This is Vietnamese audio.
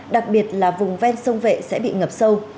đặc biệt là vùng ven sông vệ sẽ bị ngập sâu